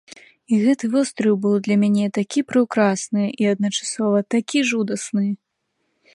І гэты востраў быў для мяне такі прыўкрасны, і адначасова такі жудасны!